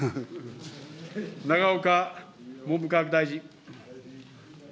永岡文部科学大臣。